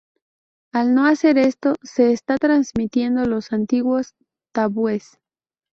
Al no hacer esto, se está transmitiendo los antiguos tabúes.